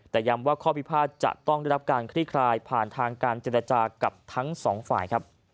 แต่ย้ำว่าข้อพิพาทจะต้องได้รับการคลี่คลายผ่านทางการเจรจากับทั้งสองฝ่ายครับ